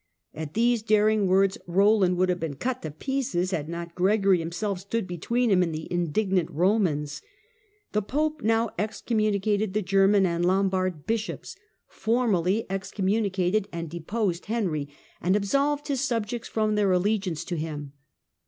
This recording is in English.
At these daring words Roland would have been cut to pieces, had not Gregory himself stood between him and Excom the indignant Romans. The Pope now excommunicated ™Xd? ^°° the German and Lombard bishops, formally excommuni g'g^^^y'iv^ 84 THE CENTRAL PERIOD OF THE MIDDLE AGE cated and deposed Henry, and absolved his subjects from their allegiance to him.